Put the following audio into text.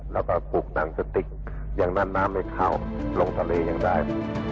แล้วก็ปลูกหนังสติ๊กอย่างนั้นน้ำไม่เข้าลงทะเลยังได้